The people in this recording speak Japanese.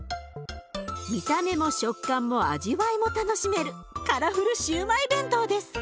見た目も食感も味わいも楽しめるカラフルシューマイ弁当です。